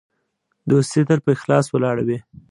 دوستي تل په اخلاص ولاړه وي.